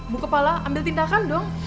bu kepala ambil tindakan dong